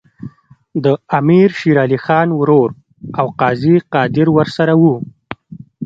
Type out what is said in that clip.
د امیر شېر علي خان ورور او قاضي قادر ورسره وو.